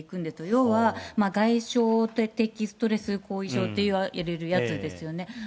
要は、外傷的ストレス後遺症といわれるやつですよね。